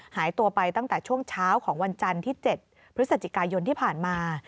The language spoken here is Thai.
หายตัวไปตั้งแต่ช่วงเช้าของวันจันทร์ที่๗พฤศจิกายนที่ผ่านมา